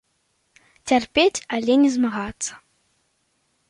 Цярпець, але не змагацца.